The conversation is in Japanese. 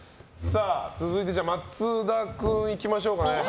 続いて、松田君行きましょう。